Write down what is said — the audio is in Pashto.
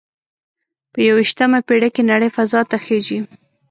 په یوویشتمه پیړۍ کې نړۍ فضا ته خیږي